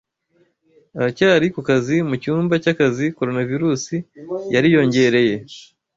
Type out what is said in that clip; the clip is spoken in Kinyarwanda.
Aracyari ku kazi mu cyumba cy'akazi Coronavirus yariyongereye.